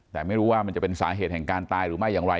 แต่ไม่รู้ว่ามันจะเป็นสาเหตุแห่งการตายหรือไม่อย่างไร